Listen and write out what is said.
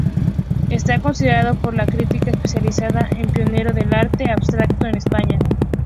Está considerado por la crítica especializada un pionero del arte abstracto en España.